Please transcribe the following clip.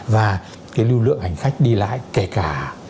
và cái lưu lượng hành khách đi lại kể cả